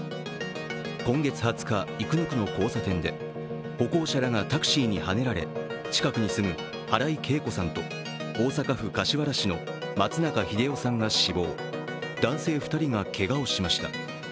今月２０日、生野区の交差点で歩行者らがタクシーにはねられ近くに住む原井恵子さんと大阪府柏原市の松中英代さんが死亡、男性２人がけがをしました。